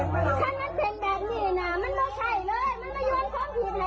มันไม่ย้อนค้องผิดเลยจ้าวสาวหมดเลย